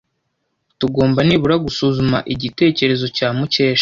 Tugomba nibura gusuzuma igitekerezo cya Mukesha.